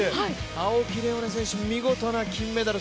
青木玲緒樹選手、見事な金メダル。